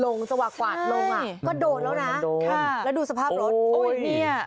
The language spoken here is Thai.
จังหวะกวาดลงอ่ะก็โดนแล้วนะค่ะแล้วดูสภาพรถโอ้ยเนี่ย